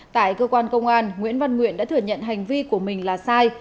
tại cơ quan công an nguyễn văn nguyện đã thừa nhận hành vi của mình là sai